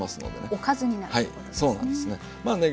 おかずになるということですね。